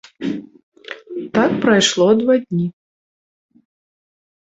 Так прайшло два дні.